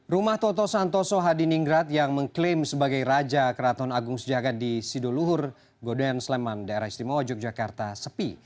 rumah toto santoso hadiningrat yang mengklaim sebagai raja keraton agung sejagat di sidoluhur godean sleman daerah istimewa yogyakarta sepi